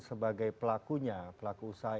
sebagai pelakunya pelaku usaha